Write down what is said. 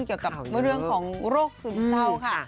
เกี่ยวกับเรื่องของโรคซึมเศร้าค่ะ